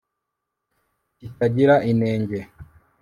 kitagira inenge